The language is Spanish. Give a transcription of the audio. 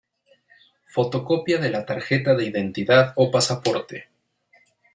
Fotocopia de la Tarjeta de Identidad o Pasaporte.